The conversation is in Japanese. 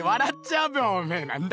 おめえなんだ